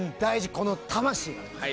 この魂が。